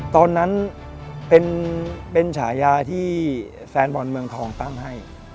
ตอนนั้นเป็นฉายาที่แฟนบอลเมืองทองตั้งให้